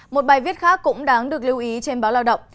một bài viết khác cũng đáng được lưu ý trên báo lao động